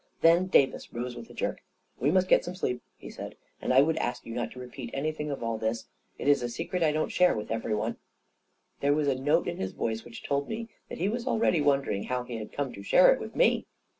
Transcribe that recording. Then Davis rose with a jerk. 14 We must get some sleep," he said. " And I would ask you not to repeat anything of all this. It is a secret I don't share with everyone.' 1 There was a note in his voice which told me that he was already wondering how he had come to share it with me